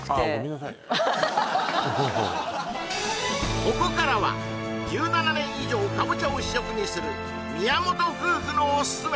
すごいここからは１７年以上カボチャを主食にする宮本夫婦のおすすめ！